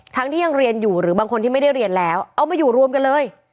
ที่ยังเรียนอยู่หรือบางคนที่ไม่ได้เรียนแล้วเอามาอยู่รวมกันเลย